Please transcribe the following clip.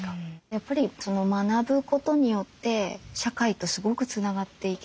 やっぱり学ぶことによって社会とすごくつながっていける。